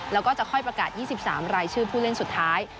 แล้วก็จะค่อยประกาศ๒๓รายชื่อผู้เล่นสุดท้าย